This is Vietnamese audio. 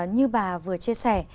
như bà vừa chia sẻ